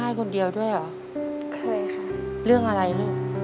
อเรนนี่ต้องมีวัคซีนตัวหนึ่งเพื่อที่จะช่วยดูแลพวกม้ามและก็ระบบในร่างกาย